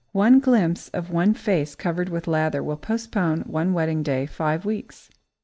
One glimpse of one face covered with lather will postpone one wedding day five weeks.